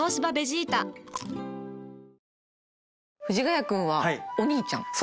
藤ヶ谷君はお兄ちゃん？